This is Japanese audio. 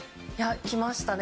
着ましたね。